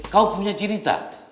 kau punya cerita